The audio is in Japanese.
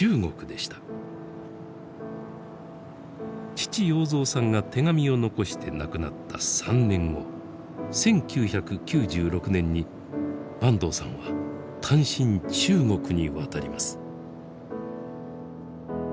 父要三さんが手紙を遺して亡くなった３年後１９９６年に坂東さんは単身中国に渡ります。